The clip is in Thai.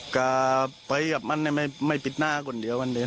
ก็ไปกับมันไม่ปิดหน้าคนเดียวมันเลย